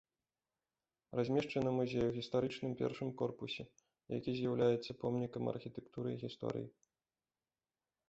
Размешчаны музей у гістарычным першым корпусе, які з'яўляецца помнікам архітэктуры і гісторыі.